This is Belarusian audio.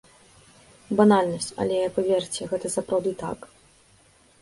Банальнасць, але паверце, гэта сапраўды так.